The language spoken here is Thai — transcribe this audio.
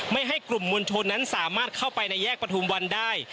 ไม่ให้กลุ่มมวลชนนั้นสามารถเข้าไปในแยกประทุมวันได้